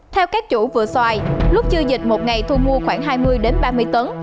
theo các chủ vừa xoài lúc chưa dịch một ngày thu mua khoảng hai mươi ba mươi tấn